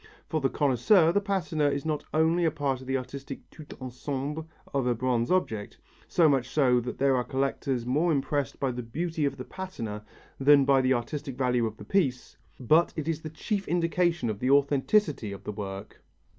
For the connoisseur, the patina is not only a part of the artistic tout ensemble of a bronze object so much so that there are collectors more impressed by the beauty of the patina than by the artistic value of the piece but it is the chief indication of the authenticity of the work.